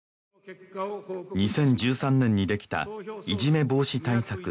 ２０１３年にできたいじめ防止対策